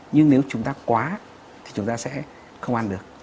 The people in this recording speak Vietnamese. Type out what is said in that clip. nhưng nếu chúng ta quá thì chúng ta sẽ không ăn được